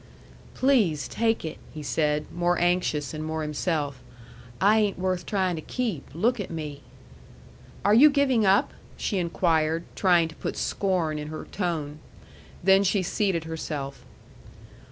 "Please take it," he said, more anxious and more himself. "I ain't worth tryin' to keep. Look at me!" "Are you giving up?" she inquired, trying to put scorn in her tone. Then she seated herself.